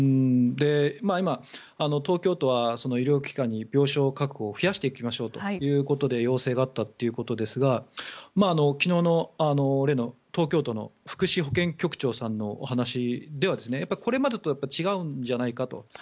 今、東京都は医療機関に病床を増やしていきましょうと要請があったということですが昨日の例の東京都の福祉保健局長さんのお話ではこれまでとは違うんじゃないかと。